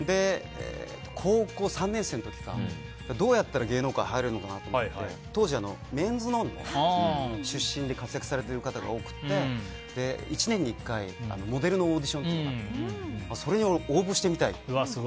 高校３年生の時かどうやったら芸能界入れるのかなと思って当時、「メンズノンノ」出身で活躍されている方が多くて１年に１回モデルのオーディションがあってそれに応募してみたいと。